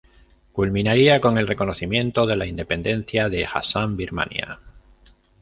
Culminaría con el reconocimiento de la independencia de Assam-Birmania.